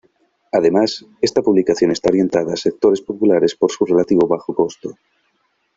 Además, esta publicación está orientada a sectores populares por su relativo bajo costo.